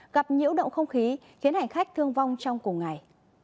gặp nhiễu động không khí khiến hành khách thương vong trong cùng ngày